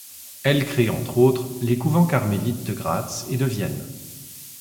Elle crée, entre autres, les couvents carmélites de Graz et de Vienne.